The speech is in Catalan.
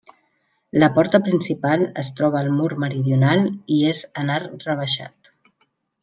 La porta principal es troba al mur meridional i és en arc rebaixat.